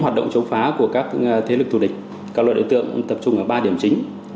hoạt động chống phá của các thế lực thù địch các loại đối tượng tập trung ở ba điểm chính